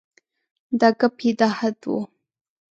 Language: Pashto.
د ګپ یې دا حد و.